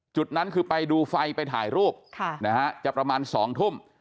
จุดนั้นคือไปดูไฟไปถ่ายรูปจะประมาณ๒ทุ่ม